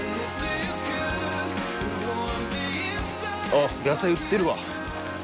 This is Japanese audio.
あっ野菜売ってるわ。